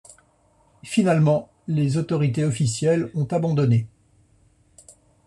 Finalement, les autorités officielles ont abandonné.